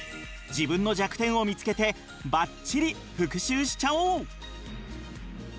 自分の弱点を見つけてばっちり復習しちゃおう！